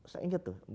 saya ingat tuh